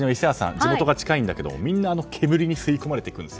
地元が近いんだけどみんな、あの煙に吸い込まれていくんですよ。